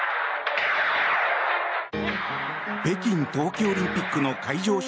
北京冬季オリンピックの会場